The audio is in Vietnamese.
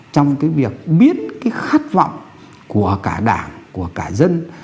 trong cái việc biết cái khát vọng của cả đảng của cả dân